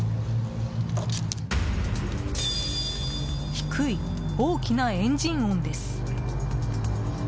低い大きなエンジン音です。